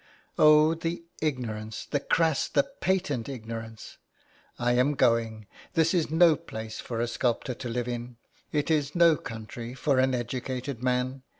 " Oh, the ignorance, the crass, the patent ignorance ! I am going. This is no place for a sculptor to live in. It is no country for an educated man.